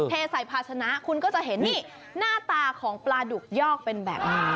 เทใส่ภาชนะคุณก็จะเห็นนี่หน้าตาของปลาดุกยอกเป็นแบบนี้